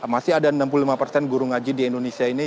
masih ada enam puluh lima persen guru ngaji di indonesia ini